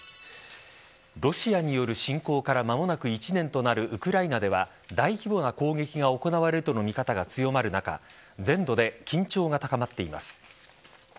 ロシアによる侵攻から間もなく１年となるウクライナでは大規模な攻撃が行われるとの見方が強まる中全土で緊張が高まっています。